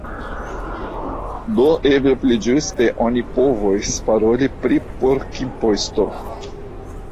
Do eble pli ĝuste oni povos paroli pri pork-imposto.